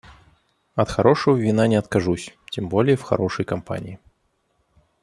От хорошего вина не откажусь, тем более в хорошей компании.